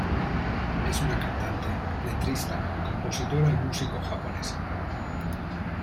Es una cantante, letrista, compositora y músico japonesa.